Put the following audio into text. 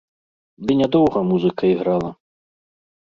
Ды нядоўга музыка іграла.